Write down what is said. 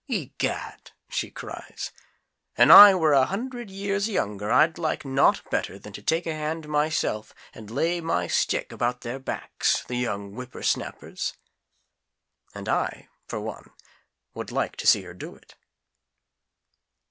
"Egad!" she cries. "An' I were an hundred years younger, I'd like nought better than to take a hand myself, and lay my stick about their backs, the young whippersnappers!" And I for one, would like to see her do it.